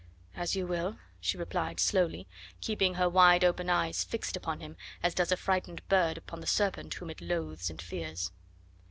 "As you will," she replied slowly, keeping her wide open eyes fixed upon him as does a frightened bird upon the serpent whom it loathes and fears.